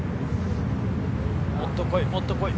もっと来い。